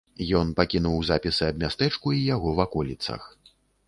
Ён пакінуў запісы аб мястэчку і яго ваколіцах.